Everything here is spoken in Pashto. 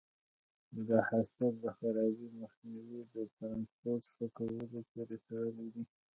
د حاصل د خرابي مخنیوی د ټرانسپورټ ښه کولو پورې تړلی دی.